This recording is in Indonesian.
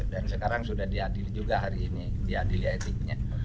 dan sekarang sudah diadil juga hari ini diadil etiknya